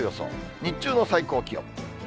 日中の最高気温。